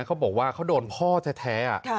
เขาบอกว่าเขาโดนพ่อแท้